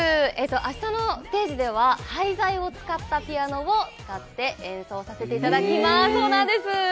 明日のステージでは廃材を使ったピアノを使って演奏させていただきます。